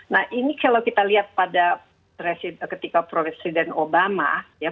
nah ini kalau kita lihat pada ketika presiden obama